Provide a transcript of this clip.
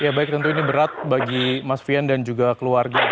ya baik tentu ini berat bagi mas fian dan juga keluarga